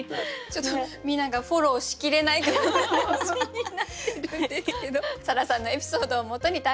ちょっとみんながフォローしきれない感じになってるんですけど沙羅さんのエピソードをもとに短歌を作りました。